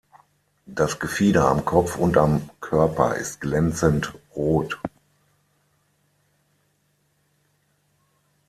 Das Gefieder am Kopf und am Körper ist glänzend rot.